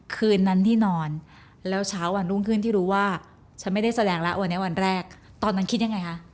คืนนั้นที่นอนแล้วเช้าวันรุ่งขึ้นที่รู้ว่าฉันไม่ได้แสดงแล้ววันนี้วันแรกตอนนั้นคิดยังไงคะ